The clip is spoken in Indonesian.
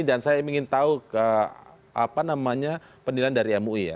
dan saya ingin tahu ke pendidikan dari mui ya